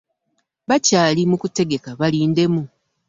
Bakyali mu kutegeka balindemu.